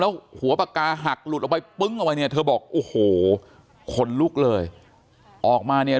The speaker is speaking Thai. แล้วหัวปากกาหักหลุดออกไปปึ้งเอาไว้เนี่ยเธอบอกโอ้โหขนลุกเลยออกมาเนี่ย